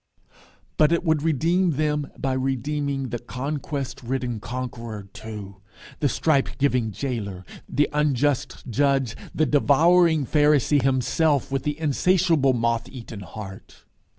But it would redeem them by redeeming the conquest ridden conqueror too, the stripe giving jailer, the unjust judge, the devouring Pharisee himself with the insatiable moth eaten heart.